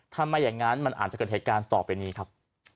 ไม่อย่างนั้นมันอาจจะเกิดเหตุการณ์ต่อไปนี้ครับ